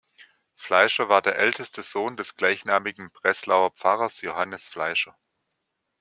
Fleischer war der älteste Sohn des gleichnamigen Breslauer Pfarrers Johannes Fleischer.